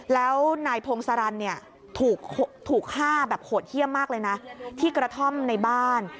แล้วนายพงศรันเนี่ยถูกฆ่าแบบโหดเยี่ยมมากเลยนะที่กระท่อมในบ้าน